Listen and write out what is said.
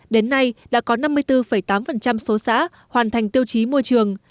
đến nay đã có năm mươi bốn tám số xã hoàn thành tiêu chí môi trường